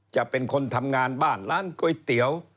จะเป็นคนทำงานบ้านร้านก๋วยเตี๋ยว